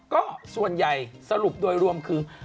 ก็ส่วนใหญ่สรุปโดยรวมคือ